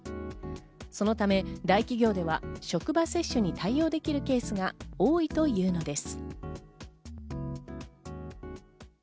そのため、大企業では職場接種に対応できるケースが多いというのです。